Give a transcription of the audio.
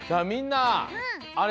みんな。